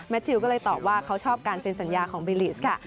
ชิลก็เลยตอบว่าเขาชอบการเซ็นสัญญาของบิลิสค่ะ